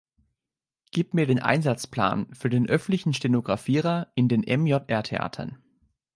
Gib mir den Einsatzplan für den öffentlichen Stenographierer in den MJR-Theatern.